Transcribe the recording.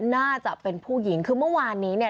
น่าจะเป็นผู้หญิงคือเมื่อวานนี้เนี่ย